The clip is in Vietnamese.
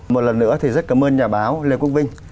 một lần nữa thì rất cảm ơn nhà báo lê quốc vinh